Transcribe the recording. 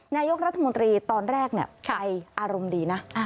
นายกรัฐมนตรีตอนแรกไปอารมณ์ดีนะ